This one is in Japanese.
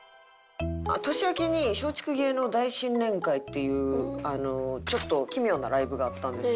年明けに「松竹芸能大新年会」っていうちょっと奇妙なライブがあったんですよ。